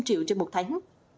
hai trăm linh triệu trên một tháng